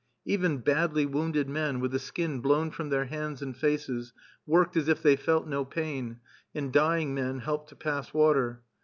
Even badly wounded men, with the skin blown from their hands and faces, worked as if they felt no pain; and dying men helped to pass water.